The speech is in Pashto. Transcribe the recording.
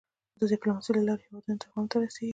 د د ډيپلوماسی له لارې هېوادونه تفاهم ته رسېږي.